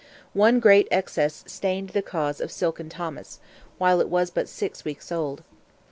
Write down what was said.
One great excess stained the cause of "Silken Thomas," while it was but six weeks old.